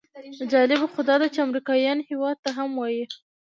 جالبه خو داده چې امریکایان هېواد ته هم وایي.